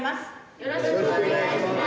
よろしくお願いします。